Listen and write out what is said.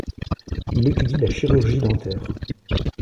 Il étudie la chirurgie dentaire.